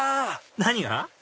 何が？